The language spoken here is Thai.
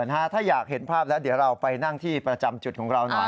ถ้าอยากเห็นภาพแล้วเดี๋ยวเราไปนั่งที่ประจำจุดของเราหน่อย